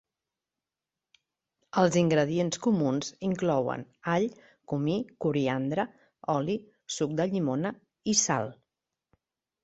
Els ingredients comuns inclouen all, comí, coriandre, oli, suc de llimona, i sal.